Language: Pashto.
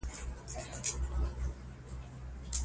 ارزان پېزار راته وښايه